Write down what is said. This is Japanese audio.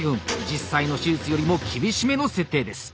実際の手術よりも厳しめの設定です。